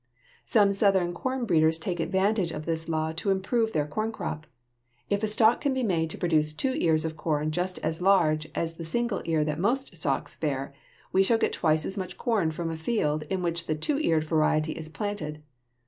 Some Southern corn breeders take advantage of this law to improve their corn crop. If a stalk can be made to produce two ears of corn just as large as the single ear that most stalks bear, we shall get twice as much corn from a field in which the "two eared" variety is planted.